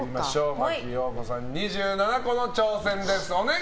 真木よう子さん２７個の挑戦です！